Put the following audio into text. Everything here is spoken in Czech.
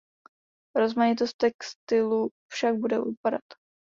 Rozmanitost textilu však bude upadat.